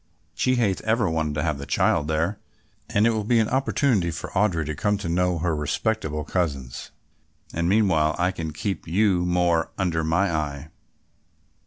She hath ever wanted to have the child there and it will be an opportunity for Audry to come to know her respectable cousins, and meanwhile I can keep you more under my eye."